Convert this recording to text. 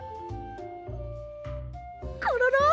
コロロ！